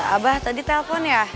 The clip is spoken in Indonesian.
abah tadi telfon ya